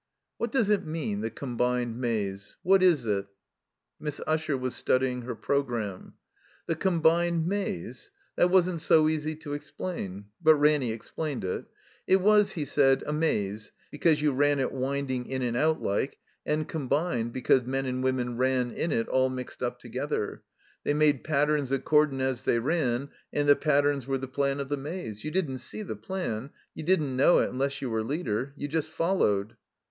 "What does it mean, the Combined Maze? What is it?" Miss Usher was studying her programme. The Combined Maze? That wasn't so easy to explain. But Ranny explained it. It was, he said, a maze, because you ran it winding in and out like, and combined, because men and women ran in it all mixed up together. They made patterns accord in' as they ran, and the patterns were the plan of the maze. You didn't see the plan. You didn't know it, unless you were leader. You just followed.